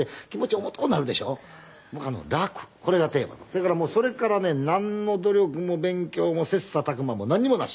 せやからもうそれからねなんの努力も勉強も切磋琢磨もなんにもなし。